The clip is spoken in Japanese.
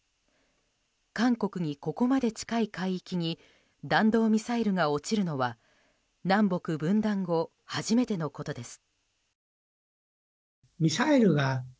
韓国に、ここまで近い海域に弾道ミサイルが落ちるのは南北分断後初めてのことです。